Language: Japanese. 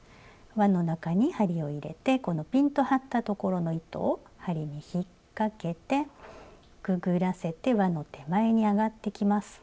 わの中に針を入れてこのピンと張ったところの糸を針に引っ掛けてくぐらせてわの手前に上がってきます。